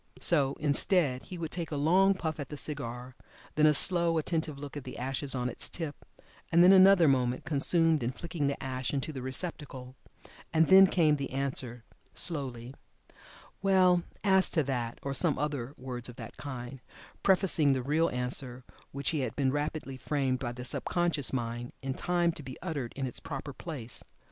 So, instead, he would take a long puff at the cigar, then a slow attentive look at the ashes on its tip, and then another moment consumed in flicking the ash into the receptacle, and then came the answer, slowly, "Well, as to that " or some other words of that kind, prefacing the real answer which had been rapidly framed by the sub conscious mind in time to be uttered in its proper place.